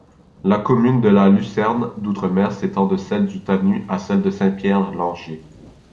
La commune de la Lucerne-d'Outremer s'étend de celle du Tanu à celle de Saint-Pierre-Langers.